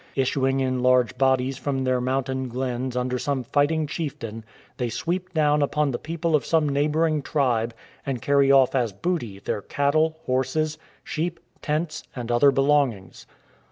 Issuing in large bodies from their mountain glens under some fighting chieftain, they sweep down upon the people of some neighbouring tribe, and carry off as booty their cattle, horses, sheep, tents, and other belongings.